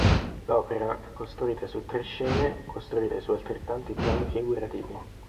L'opera è costruita su tre scene costruite su altrettanti piani figurativi.